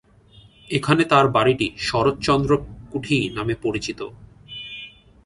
এখানে তার বাড়িটি শরৎচন্দ্র কুঠি নামে পরিচিত।